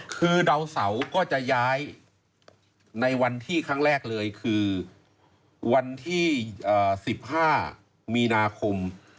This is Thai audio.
คือดาวเสาก็จะย้ายในวันที่ครั้งแรกเลยคือวันที่๑๕มีนาคม